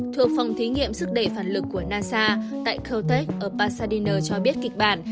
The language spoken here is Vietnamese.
thuộc phòng thí nghiệm sức đẩy phản lực của nasa tại caltech ở pasadena cho biết kịch bản